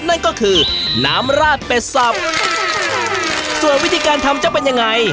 นั่นก็คือน้ำราดเป็ดสับส่วนวิธีการทำจะเป็นยังไง